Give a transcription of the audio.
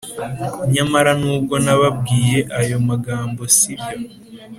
Nyamara nubwo nababwiye ayo magambo si byo